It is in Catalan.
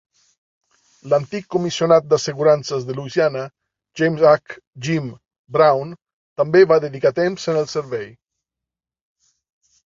L'antic comissionat d'assegurances de Louisiana, James H. "Jim" Brown, també va dedicar temps en el servei .